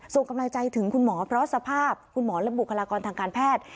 ส่งกำลังใจถึงคุณหมอเพราะสภาพคุณหมอและบุคลากรทางการแพทย์